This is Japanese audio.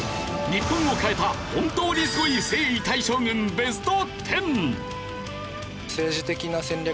日本を変えた本当にスゴい征夷大将軍ベスト１０。